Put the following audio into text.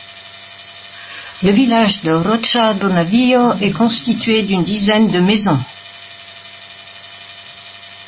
Le village de Rocha do Navio est constitué d'une dizaine de maisons.